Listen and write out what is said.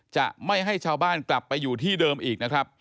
จะไม่ให้ชาวบ้านกลับไปอยู่ที่เดิมอีกนะครับ